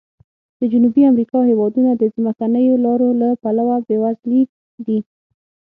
د جنوبي امریکا هېوادونه د ځمکنیو لارو له پلوه بې وزلي دي.